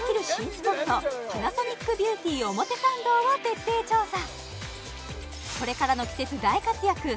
スポットパナソニックビューティ表参道を徹底調査